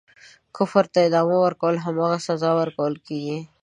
کفر ته ادامه ورکوي هماغه سزا ورکوله کیږي.